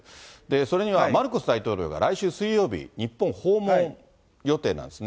それにはマルコス大統領が来週水曜日、日本訪問予定なんですね。